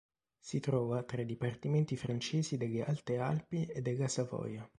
Si trova tra i dipartimenti francesi delle Alte Alpi e della Savoia.